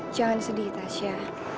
jangan sedih tasya